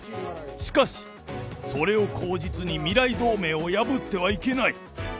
しかし、それを口実に未来同盟を破ってはいけない。